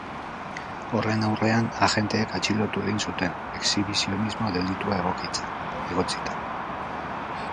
Horren aurrean, agenteek atxilotu egin zuten, exhibizionismo delitua egotzita.